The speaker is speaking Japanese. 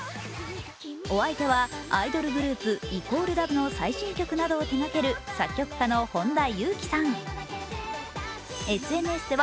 お相手は、アイドルグループ＝ＬＯＶＥの最新曲などを手がける作曲家の本多友紀さん。